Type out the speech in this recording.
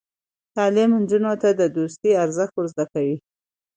تعلیم نجونو ته د دوستۍ ارزښت ور زده کوي.